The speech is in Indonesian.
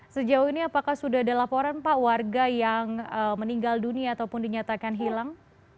sejauh ini apakah sudah ada laporan pak warga yang meninggal dunia ataupun dinyatakan hilang